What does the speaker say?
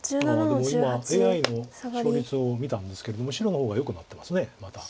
でも今ＡＩの勝率を見たんですけれども白の方がよくなってますまた。